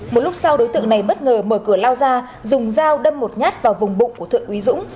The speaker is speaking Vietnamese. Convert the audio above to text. một lúc sau đối tượng này bất ngờ mở cửa lao ra dùng dao đâm một nhát vào vùng bụng của thượng úy dũng